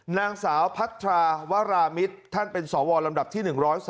นางสาวพัทราวรามิตรท่านเป็นสวลำดับที่๑๐๒